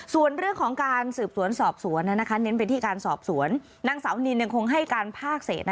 ส่วนเรื่องของการสืบสวนสอบสวนเน้นไปที่การสอบสวนนางสาวนินยังคงให้การภาคเศษ